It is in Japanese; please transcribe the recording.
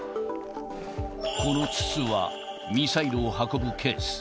この筒は、ミサイルを運ぶケース。